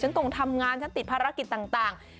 ต้องทำงานฉันติดภารกิจต่าง